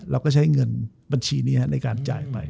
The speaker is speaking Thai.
เราก็ใช้เงินบัญชีนี้ในการจ่ายใหม่